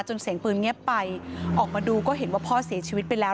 เสียงปืนเงียบไปออกมาดูก็เห็นว่าพ่อเสียชีวิตไปแล้ว